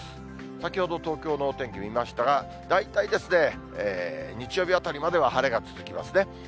先ほど、東京のお天気見ましたら、大体ですね、日曜日あたりまでは晴れが続きますね。